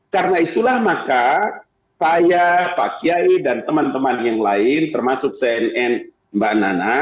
karena itulah maka pak kiai dan teman teman yang lain termasuk cnn mbak nana